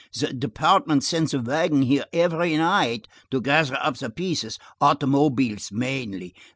"The department sends a wagon here every night to gather up the pieces, automobiles mainly.